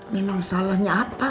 memang salahnya apa